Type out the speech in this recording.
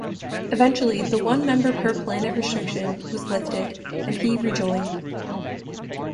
Eventually, the "one member per planet" restriction was lifted, and he rejoined.